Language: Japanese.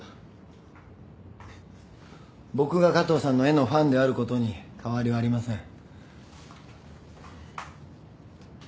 僕が加藤さんの絵のファンであることに変わりはありません。